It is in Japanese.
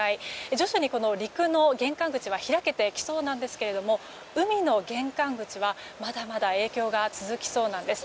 徐々に陸の玄関口は開けてきそうですけれども海の玄関口はまだまだ影響が続きそうです。